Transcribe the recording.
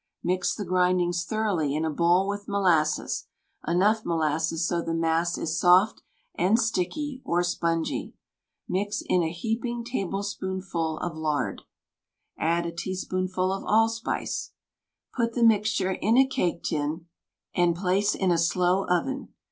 Mix the grindings thoroughly in a bowl with molasses — enough molasses so the mass is soft and sticky, or spongy. Mix in a heaping tablespoonful of lard. THE STAG COOK BOOK Add a teaspoonful of allspice. Put the mixture in a cake tin and place in a slow oven.